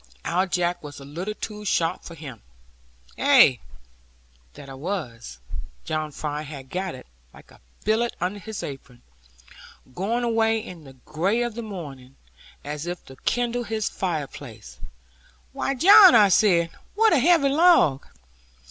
Our Jack was a little too sharp for him.' Ay, that I was; John Fry had got it, like a billet under his apron, going away in the gray of the morning, as if to kindle his fireplace. 'Why, John,' I said, 'what a heavy log!